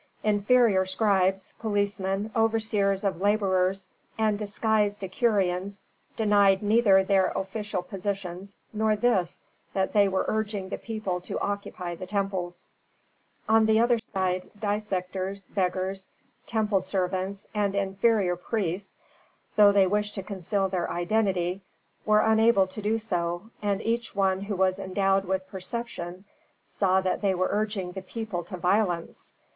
Inferior scribes, policemen, overseers of laborers, and disguised decurions denied neither their official positions, nor this, that they were urging the people to occupy the temples. On the other side dissectors, beggars, temple servants and inferior priests, though they wished to conceal their identity, were unable to do so, and each one who was endowed with perception saw that they were urging the people to violence.